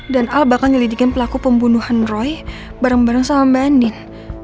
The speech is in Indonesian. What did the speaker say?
dan al bakal ngelidikan pelaku pembunuhan roy bareng bareng sama mbak andin